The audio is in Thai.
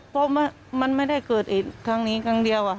เพราะมันไม่ได้เกิดเหตุครั้งนี้ครั้งเดียว